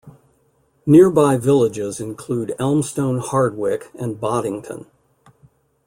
Nearby villages include Elmstone-Hardwicke and Boddington.